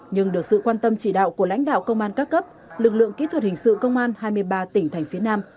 nhưng được sự quan tâm chỉ đạo của lãnh đạo công an các cấp lực lượng kỹ thuật hình sự công an hai mươi ba tỉnh thành phía nam